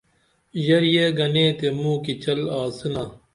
ژریے گنے تے موکی چل آڅینا